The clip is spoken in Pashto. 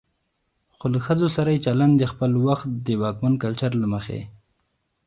خو له ښځو سره يې چلن د خپل وخت د واکمن کلچر له مخې